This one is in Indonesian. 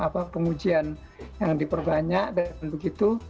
pengujian yang diperbanyak